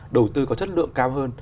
đầu tư có chất lượng cao hơn